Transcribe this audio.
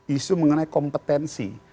isu mengenai kompetensi